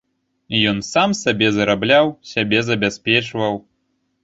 Ён сам сабе зарабляў, сябе забяспечваў.